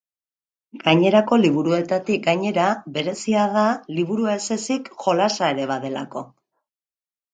Gainerako liburuetatik gainera, berezia da, liburua ezezik, jolasa ere badelako.